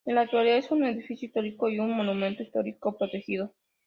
En la actualidad, en un edificio histórico, y un monumento artístico protegido.